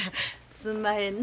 すんまへんな。